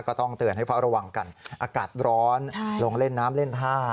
ก็ต้องเตือนให้เฝ้าระวังกันอากาศร้อนลงเล่นน้ำเล่นท่า